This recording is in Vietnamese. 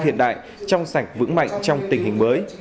hiện đại trong sạch vững mạnh trong tình hình mới